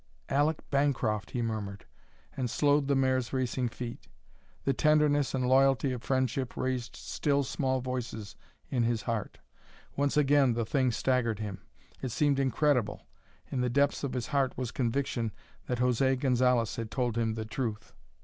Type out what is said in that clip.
Aleck Bancroft!" he murmured, and slowed the mare's racing feet. The tenderness and loyalty of friendship raised still, small voices in his heart. Once again the thing staggered him. It seemed incredible. In the depths of his heart was conviction that José Gonzalez had told him the truth.